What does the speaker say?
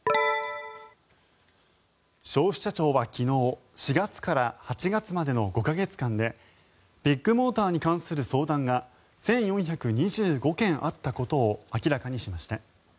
消費者庁は昨日４月から８月までの５か月間でビッグモーターに関する相談が１４２５件あったことを明らかにしました。